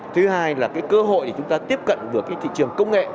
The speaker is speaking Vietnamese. thứ hai là cái cơ hội để chúng ta tiếp cận với cái thị trường công nghệ